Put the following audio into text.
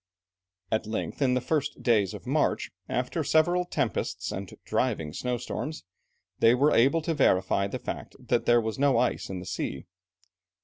At length in the first days of March, after several tempests and driving snowstorms, they were able to verify the fact that there was no ice in the sea.